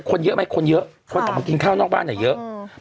คนเยอะไหมคนเยอะคนออกมากินข้าวนอกบ้านเนี่ยเยอะ